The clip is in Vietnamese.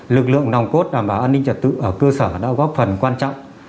lực lượng nòng cốt đảm bảo an ninh trật tự ở cơ sở đã góp phần quan trọng